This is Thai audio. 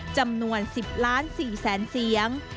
จำนวน๑๐๔ล้านเสียง